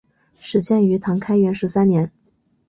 始建于唐开元十三年。